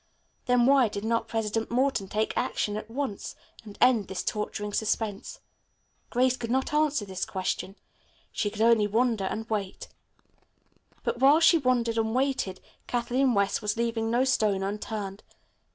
Then why did not President Morton take action at once and end this torturing suspense? Grace could not answer this question. She could only wonder and wait. But while she wondered and waited Kathleen West was leaving no stone unturned.